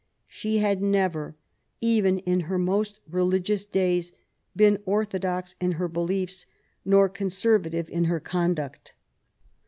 She had never, even in her most religious days, been orthodox in her beUefe, nor con servative in her conduct.